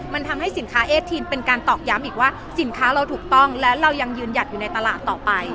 มันทำให้สินค้าเอสทีนเป็นการตอกย้ำอีกว่าสินค้าเราถูกต้องและเรายังยืนหยัดอยู่ในตลาดต่อไป